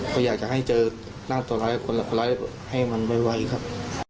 ผมอยากจะให้เจอนั่งตัวร้ายคนให้มันไวครับ